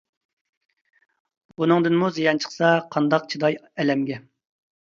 بۇنىڭدىنمۇ زىيان چىقسا، قانداق چىداي ئەلەمگە.